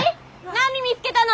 何見つけたの？